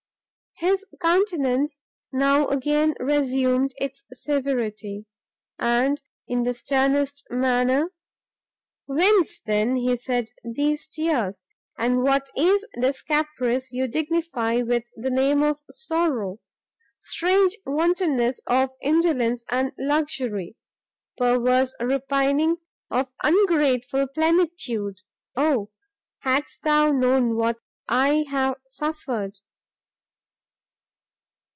His countenance now again resumed its severity, and, in the sternest manner, "Whence then," he said, "these tears? and what is this caprice you dignify with the name of sorrow? strange wantonness of indolence and luxury! perverse repining of ungrateful plenitude! oh hadst thou known what I have suffered!"